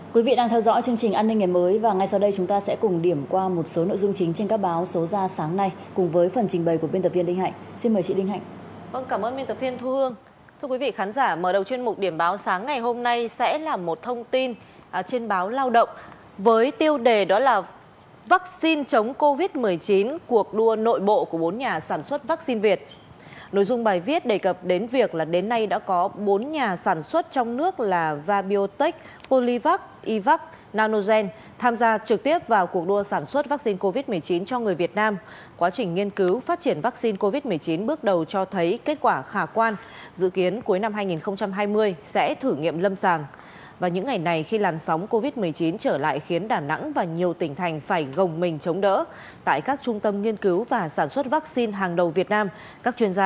quý vị đang theo dõi chương trình an ninh ngày mới và ngay sau đây chúng ta sẽ cùng điểm qua một số nội dung chính trên các báo số ra sáng nay